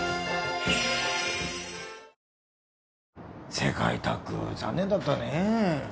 世界タッグ残念だったね・